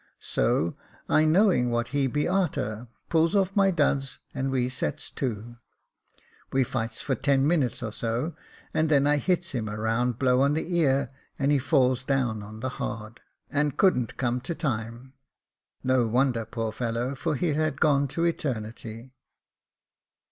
So, I knowing what he'd be a'ter, pulls off my duds, and we sets to. We fights for ten minutes or so, and then I hits him a round blow on the ear, and he falls down on the hard, and couldn't come to time. No wonder, poor fellow ! for he had gone to eternity.